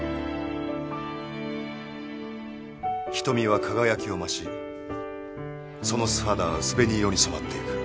「瞳は輝きを増しその素肌は薄紅色に染まっていく」